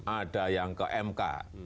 ada yang ke mk